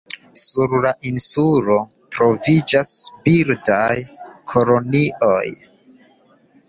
Sur la insulo troviĝas birdaj kolonioj.